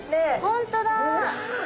本当だ！